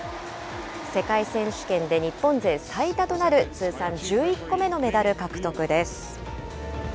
世界選手権で日本勢最多となる通算１１個目のメダル獲得です。